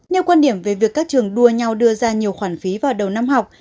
nêu quan điểm về việc các trường đua nhau đưa ra nhiều khoản phí vào đầu năm học